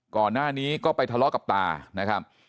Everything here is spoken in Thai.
ก่อนหน้านี้ก็ไปทะเลาะกับตานะครับ